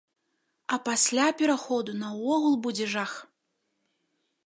А пасля пераходу наогул будзе жах!